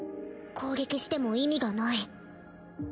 攻撃しても意味がない。